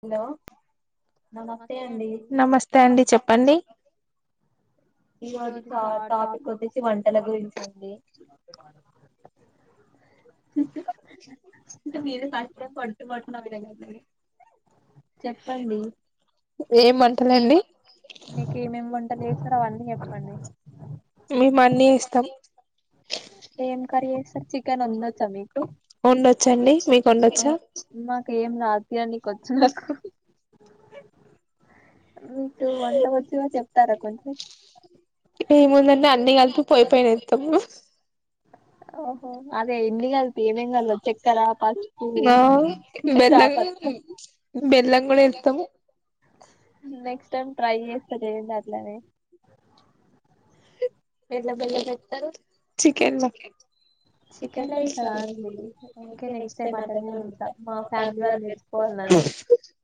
Hello నమస్తే అండి నమస్తే అండి చెప్పండి ఈరోజు చ టాక్ వచ్చేసి వంటల గురించండి చెప్పండి మీకే ఏమేం వంటలు చేస్తారో అవన్నీ చెప్పండి ఏం కర్రీ చేస్తారు చికెన్ వండో వొండొచ్చండి మీకు వొండొచ్చా ఏముందండి అన్ని కలిపి పోయిపోయినేత్తమ్ ఆ బెల్లం బెల్లం కూడా ఎత్తమ్ నెక్స్ట్ టైమ్ ట్రై చేస్త చేయండి అట్లనే ఎంట్లో బెల్లం ఏత్తరు సీజికెన్ లో ఎస్తారా అండి ఓకే నెక్స్ట్ టైం అట్లనే వండుతా మా ఫ్యామిలీ వాళ్ళు మచ్చుకోవాలి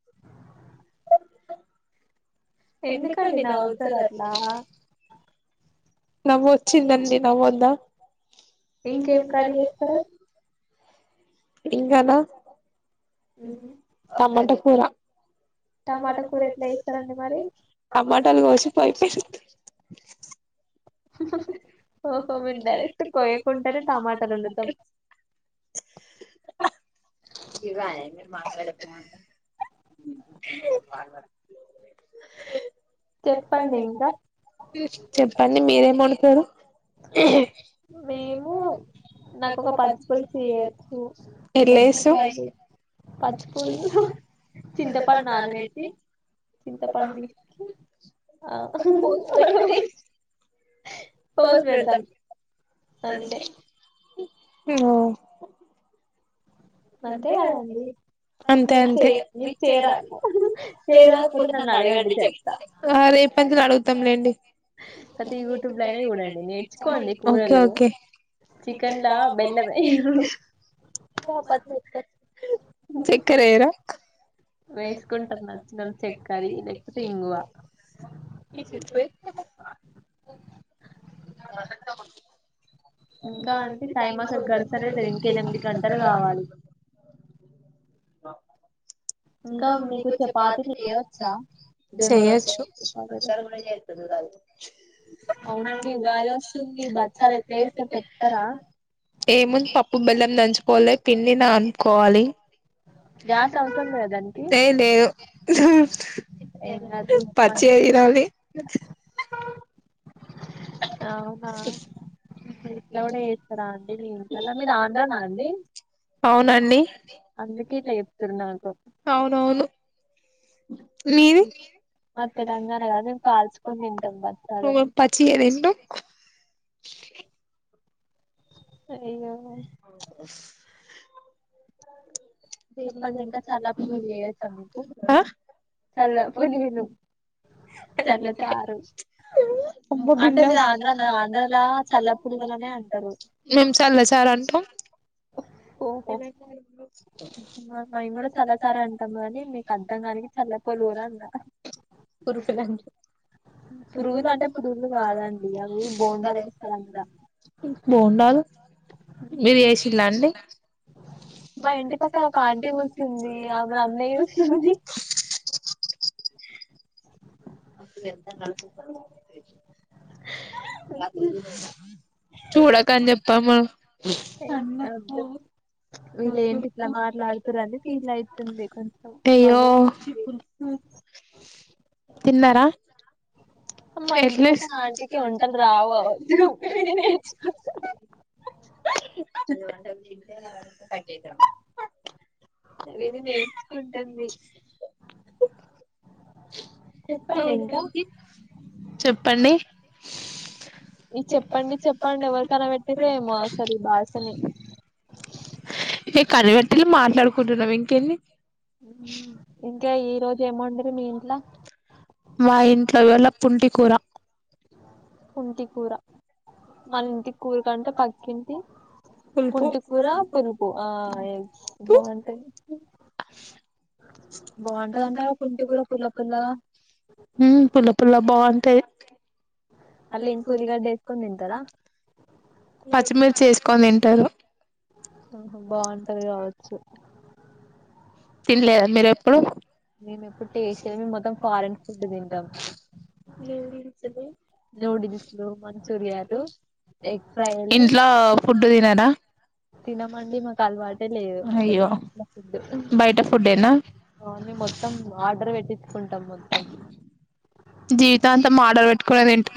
ఎందుకండి నవ్వుతారు అట్లా నవ్వు వచ్చిందండి నవ్వద్దా ఇంగా నా టమాటా కూర టమాటోలు కోసి [unintelligible] ఓహో మేము డైరెక్ట్ కొయ్యకుంటనే టమాటలు వండుతాం చెప్పండి మీరే మొండుతరు మేము నాకొక పచ్చిపుల్సు చేయోచ్చు ఎగ్ ఫ్రై పచ్చిపులు చింతపండు నానబెట్టి చింతపండు పిసికి [inaudible] మ్మ్ అంతే అంతే ఆ రేపటి నుంచి అడు తం లేండి ఓకే ఓకే చెక్కర ఎయరా వేసుకుంట శర్క ఇంకా అంటే టైం అసలు గడుస్తనే లేదు ఇంక ఎనిమిది గంటలు కావాలి. ఆ చేయొచ్చు ఏముంది పప్పు బెల్లం దంచుకొవలే పిం టన్ కోవాలి ఏ లేదు పచ్చిగా తినాలి. అవునా ఇట్లా కూడా చేస్తారా అండి మీ ఇంట్లల మీది ఆంధ్రానా అండి అందుకే ఇట్ల చెప్తుర్రు నాకు మీది మేము పచ్చిగ తింటం అయ్యో ఆ [unintelligible] మేం సల్లచారు అంటం మా అమ్మా కూడా చల్లసర అంటాం కానీ అం చల్ల పలువు పురులంట పురుగులు అంటే పురుగులు కాండి బగు ఇం బాగుండాల మీరు వేసిలా అండి బయటి వస్తె ఒక ఆంటీ కోర్సుంది ఆమె పిలుస్తుంది చూడకని చెప్పము సన్న అయ్యో తిన్నారా ఎక్నేక్ సాటికి ఉంటాను రావు అ వాడు కట్టద అే నేతా హ్హ్ చెప్పండి ఈ చెప్పండి చెప్పండి ఎవరికనా పెట్టిర్రో ఏమో అసలు ఈ భాషనీ ఏ కనిబట్టటిలి మాట్లాడుకుంటున్నాం ఇంకేన్ని ఇంకా ఈ రోజు ఏమౌండరి మీ ఇంట్లో మా ఇంట్లో ఎలా పుంటి కూర పుంటి కూర మన ఇంటి కూరగా అంటే పక్కింటి పుంటి కూర పులుపు ఆ ఎస్ బాగుంటుంది బాగుంటుందంటగా పుంటి కూర పుల్ల పుల్లగా మళ్ళ కూలిగాసుకని తింటారా పచ్చిమిర్చి వేసుకొని తింటారు ఆహ బాగుంటది కావచ్చు తలేదా మీరు ఎప్పుడు ఇంట్లో ఫుడ్ తినారా తినమండి మాకు అలవాటే లేదు అసలుద్దు ఆ ని మొత్తం ఆర్డర్ పెట్టికుంట ట్ట మొత్తం జీవిత అంతా మా పెట్టుక అంత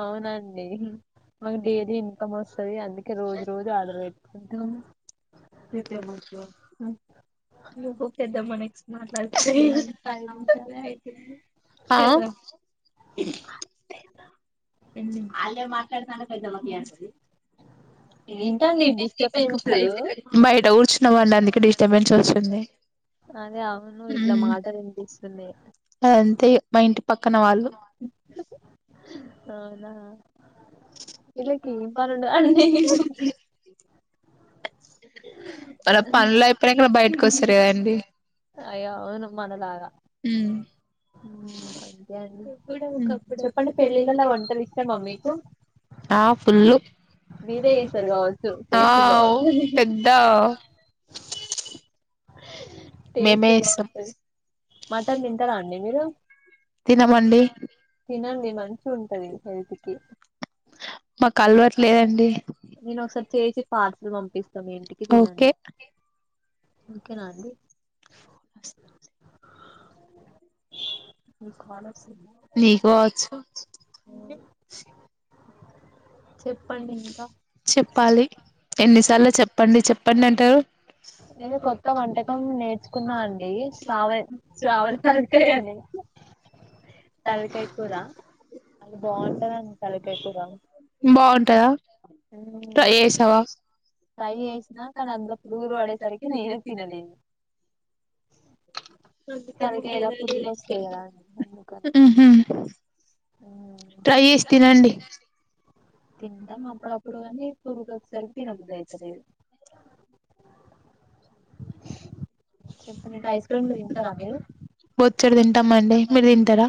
అవునండి మాకు డైలీ ఇన్కమ్ వస్తుంది అందుకే రోజు రోజు ఆర్డర్ పెట్టుకుంటాం ఆ బయట కూర్చున్నామండి. అందుకే డిస్టర్బెన్స్ వచ్చింది. అదే అవును ఇట్లా మాటలు వినిపిస్తున్నాయ్. మా ఇంటి పక్కన వాళ్ళు అవునా వీళ్ళకి ఏం పని ఉంటది అండి. అయ్యో అవును మనలాగా అంతే అండి చెప్పండి. పెళ్ళిళ్ళలా వంటలు ఇష్టమా మీకు ఆ ఫుల్ ఆ పెద్ద అ మేమే చేస్తాం మటన్ తింటారా అండి మీరు తినమండి. తినాం మేము [inaudible] మాకు అలవట్లేదండి. ఓకేనా అండి. నిక్ కావచ్చు. చెప్పాలి. ఎన్నిసార్లు చెప్పండి చెప్పండి అంటారు. బాగుంటందా ట్రై చేసావా ట్రై చేసిన కాని అందులో పురుగులు పడేసరికి నేనే తినలే ట్రై చేసి తినండి. తింటాం. అప్పుడప్పుడు కానీ పురుగులు వచ్చేసరికి తినబుద్ది అయితలేదు. మీకు ఐస్ క్రీములు తింటారా. మీరు బొచ్చడు తింటామండి. మీర్ తింటారా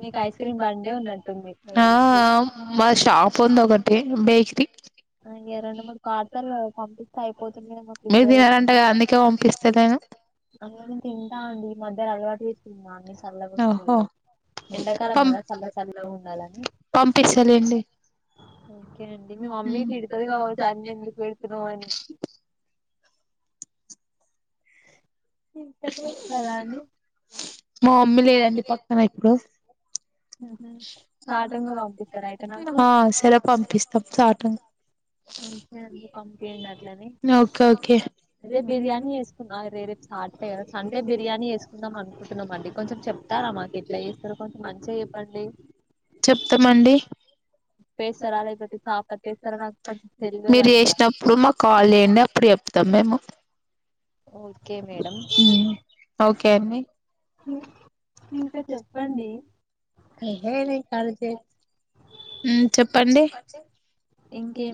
మీకు ఐసక్రీం బండే ఉన్నటుంది. ఆ ఆ ఆ మా షాప్ ఉంది. ఒకటి ఇ [unintelligible] అది అంత కాదు నిక్ ఇస్తలేదా అందుకనే తింటా అండి. మధ్యలో అలవాటు చేసుకున్నా అన్ని చల్ల వస్తుంది. ఎండాకాలం కదా చల్ల చల్ల ఉండాలని ఓకే అండి. [unintelligible] అండి మా మమ్మీ లేదండి. పక్కన లూస్ సరే పంపిస్తాం. అంతే అండి పంపియండి. అట్లనే మీమ్ బిర్యానీ వేసుకున్నా రేరేపు స్టార్ట్ అయ్యారు అంటే బిర్యానీ వేసుకుందాం అనుకుంటున్నామ అండి కొంచెం చెప్తారా మాకు ఎట్లా చేస్తారు కొంచెం మంచిగా చెప్పండి మీరు చేసినప్పుడు మాకు కాల్ చేయండి అప్పుడు చెప్తాం మేము ఓకే మేడం ఇంకా చెప్పండి చెప్పండి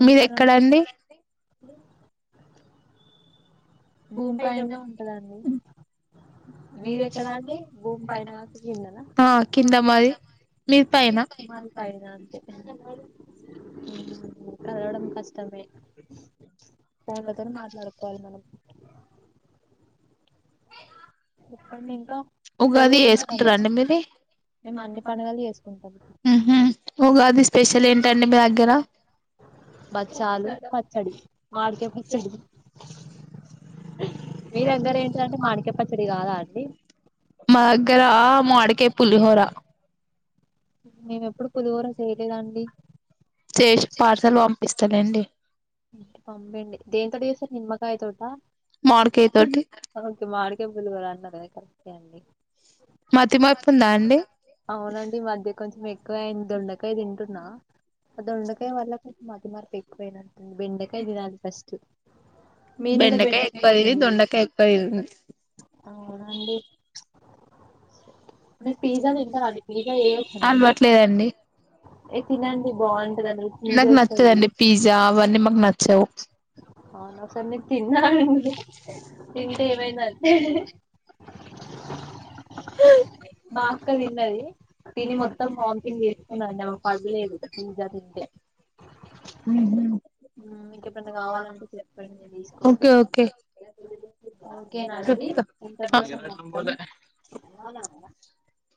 మీర ఎక్కడండి భూమి పనే ఉంటదాంన్ని మీీది ఎక్కడ అంటే భూమి పైన కిందనా పైన అంతేదవడం కష్ట తమే పోన్లతోనే మాట్లాడుకోవాలి మనం ఉగాది వేసుకుంటారాండి మీర అన్ని పండుగలు చేసుకుంటాం ఊహూం ఉగాది స్పెషల్ ఏంటండి మీ దగ్గర అ బచ్చాలు పచ్చడి మాడికాయ పచ్చడి మీ దగ్గర ఏంటంటే మాడిక పచ్చడి కాదా అండి మాడిక్ కే పులిహోరా మేము ఎప్పుడు పుదుగోర చేయలేదండి పపిస్తాండి పంపండి దేనితోటి చేసారు నిమ్మకాయ తోట ఓకే మాడిక పులిహోర అన్నారుకద కరక్టే అండి అవునండి ఈ మధ్య కొంచెం ఎక్కువయింది దొండకాయ తింటున్నా ఆ దొండకాయ వల్ల కొంచెం మతిమరుపు ఎక్కువయిన బెండకాయ ఎక్కువైంది దొండకాయ ఎక్కువైంది స పిజ్జా అలవట్లేదండి నాకు నచ్చదండి పిజ్జా అవన్నీ మాకు నచ్చ అడు నేను తిన్నాను తింటే ఏమైదంటే మా అక్క తిన్నది తిని మొత్తం వామ్టింగ్ తీసుకున్నాండి కావాలంటే చె తీసుకొస్తను ఓకేనండి ఇంతటితో సమాప్తం